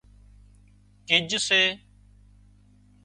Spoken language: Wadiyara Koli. گج سي